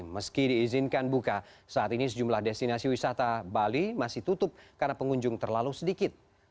meski diizinkan buka saat ini sejumlah destinasi wisata bali masih tutup karena pengunjung terlalu sedikit